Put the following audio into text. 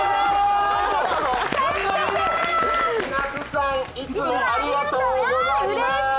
「千夏さん、いつもありがとうございます」